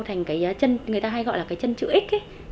thành cái chân người ta hay gọi là cái chân chữ x